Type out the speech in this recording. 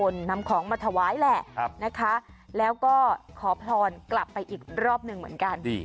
แล้วก็ขอพรกลับไปอีกรอบหนึ่งเหมือนกัน